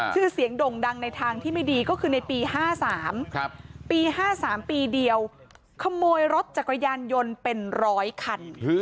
ชื่อเสียงด่งดังในทางที่ไม่ดีก็คือในปี๕๓ปี๕๓ปีเดียวขโมยรถจักรยานยนต์เป็นร้อยคัน